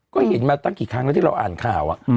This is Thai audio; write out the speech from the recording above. ก็เห็นมาตั้งกี่ครั้งแล้วที่เราอ่านข่าว